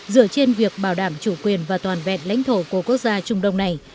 dựa trên việc bảo đảm chủ quyền và toàn vẹn lãnh thổ của quốc gia trung đông này